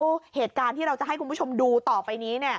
เหตุการณ์ที่เราจะให้คุณผู้ชมดูต่อไปนี้เนี่ย